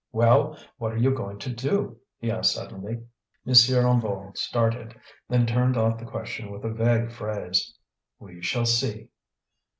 "Well, what are you going to do?" he asked suddenly. M. Hennebeau started; then turned off the question with a vague phrase. "We shall see."